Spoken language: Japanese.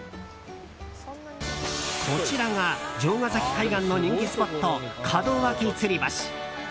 こちらが城ヶ崎海岸の人気スポット、門脇吊橋。